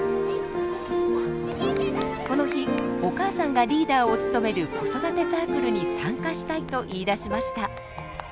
この日お母さんがリーダーを務める子育てサークルに参加したいと言いだしました。